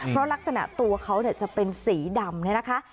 เพราะลักษณะตัวเขาจะเป็นสีดำเนี่ยนะคะ